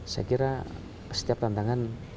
saya kira setiap tantangan